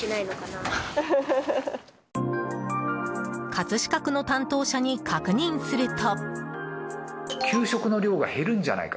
葛飾区の担当者に確認すると。